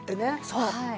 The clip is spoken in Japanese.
そう。